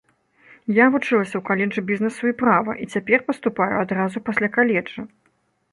Я вучылася ў каледжы бізнесу і права і цяпер паступаю адразу пасля каледжа.